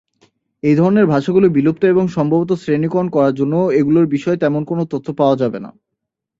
এই ধরণের ভাষাগুলি বিলুপ্ত এবং সম্ভবত শ্রেণীকরণ করার জন্য এগুলির বিষয় তেমন কোন তথ্য পাওয়া যাবে না।